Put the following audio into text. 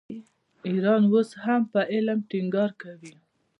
ایران اوس هم په علم ټینګار کوي.